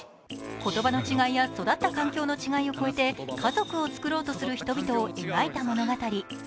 言葉の違いや育った環境の違いを超えて、家族を作ろうとする人々を描いた物語。